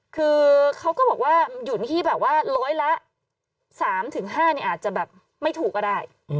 คือเขาก็บอกว่าอยู่ที่แบบว่าร้อยละ๓๕อาจจะแบบไม่ถูกก็ได้